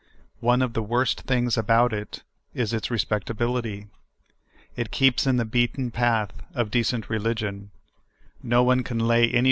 One of the worst things al30Ut it is its respectability. It keeps in the beaten path of decent religion ; no one can lay any 32 SOUI.